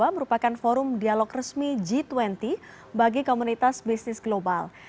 merupakan forum dialog resmi g dua puluh bagi komunitas bisnis global